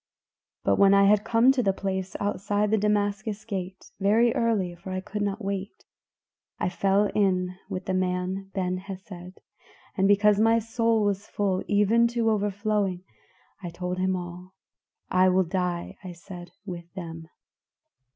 "But when I had come to the place outside the Damascus Gate very early, for I could not wait I fell in with the man Ben Hesed, and because my soul was full even to overflowing, I told him all. 'I will die,' I said, 'with them.